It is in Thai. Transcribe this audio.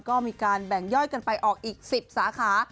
ก็มีการแบ่งย่อยกันไปออกอีก๑๐สาขา